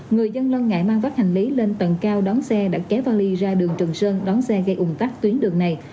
người dân lân ngại mang vắt hành lý lên tầng cao đón xe đã kéo vali ra đường trần sơn đón xe gây ủng tắc tuyến đường này